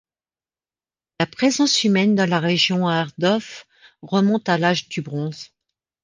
La présence humaine dans la région Aadorf remonte à l’âge du bronze.